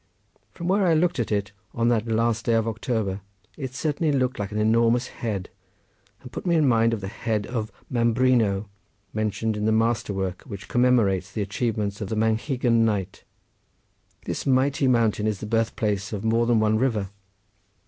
From where I looked at it on that last day of October it was certainly like an enormous head, and put me in mind of the head of Mambrino mentioned in the master work which commemorates the achievements of the Manchegan knight. This mighty mountain is the birth place of more than one river.